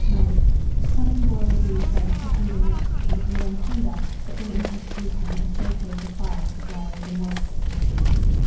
Mode. Cut and boil the beans by the preceding recipe, and when tender, put them into a stewpan, and shake over the fire, to dry away the moisture from the beans.